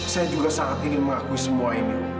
saya juga sangat ingin mengakui semua ini